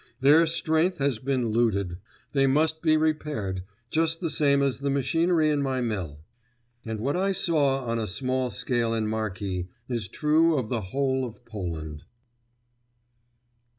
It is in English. Their strength has been looted. They must be repaired, just the same as the machinery in my mill." And what I saw on a small scale in Marki is true of the whole of Poland.